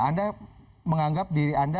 anda menganggap diri anda